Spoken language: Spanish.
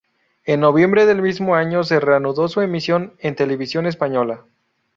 En noviembre del mismo año se reanudó su emisión en Televisión Española.